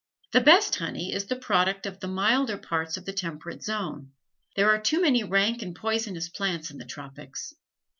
The best honey is the product of the milder parts of the temperate zone. There are too many rank and poisonous plants in the tropics.